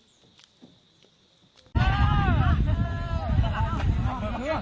สวัสดี